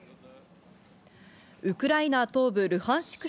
ウクライナ東部ルハンシク